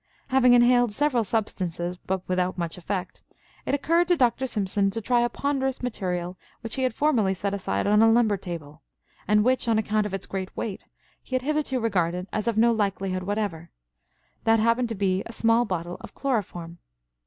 Having inhaled several substances, but without much effect, it occurred to Dr. Simpson to try a ponderous material which he had formerly set aside on a lumber table, and which, on account of its great weight, he had hitherto regarded as of no likelihood whatever; that happened to be a small bottle of chloroform.